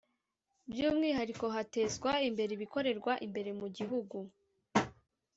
by’umwihariko hatezwa imbere ibikorerwa imbere mu gihugu